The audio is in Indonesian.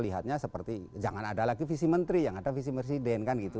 lihatnya seperti jangan ada lagi visi menteri yang ada visi presiden kan gitu